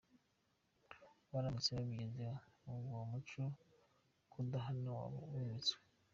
Baramutse babigezeho, ubwo umuco wo kudahana waba wimitswe.